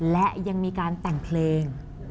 และยังมีการแต่งเพลง